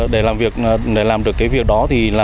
để làm được việc đó